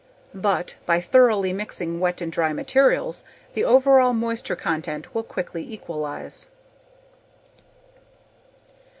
But, by thoroughly mixing wet and dry materials the overall moisture content will quickly equalize.